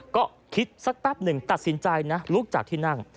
ก็คิดสักแป๊บหนึ่งตัดสินใจนะลุกจากที่นั่ง